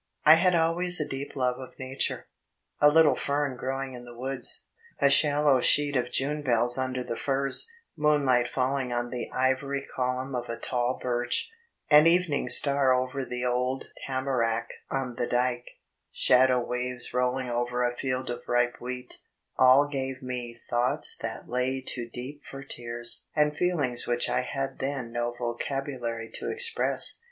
I had always a deep love of nature. A little fern growing in the woods, a shallow sheet of June bells under the firs, moonlight falling on the ivory colimin of a tall birch, an evening star over the old tamarack on the dyke, shadow waves rolling over a field of ripe wheat all gave me "thoughts that lay too deep for tears" and feelings which I had then no vocabulary to express.